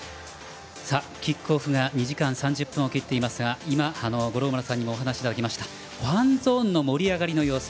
キックオフが２時間３０分を切っていますが今、五郎丸さんにもお話をいただいたファンゾーンの盛り上がりの様子